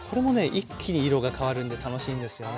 一気に色が変わるんで楽しいんですよね。